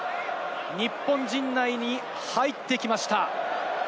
日本陣内に入ってきました。